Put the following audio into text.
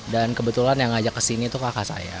dan kebetulan yang ngajak kesini tuh kakak saya